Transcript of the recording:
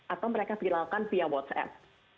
atau mereka viralkan via whatsapp